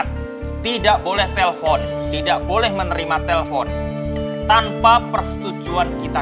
tidak boleh telpon tidak boleh menerima telepon tanpa persetujuan kita